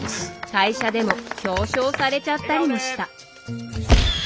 会社でも表彰されちゃったりもした。